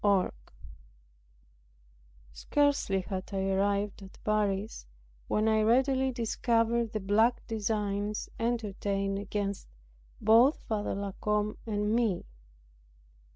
CHAPTER 19 Scarcely had I arrived at Paris, when I readily discovered the black designs entertained against both Father La Combe and me.